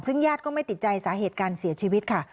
ซึ่งญาติก็ไม่ติดใจสาเหตุการเสียชีวิตค่ะ